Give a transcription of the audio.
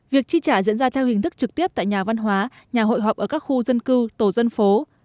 việc chi trả diễn ra theo hình thức trực tiếp tại nhà văn hóa nhà hội họp ở các khu dân cư tổ dân phố